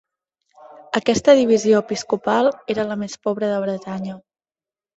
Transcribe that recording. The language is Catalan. Aquesta divisió episcopal era la més pobre de Bretanya.